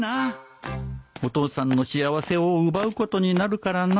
お父さんの幸せを奪うことになるからな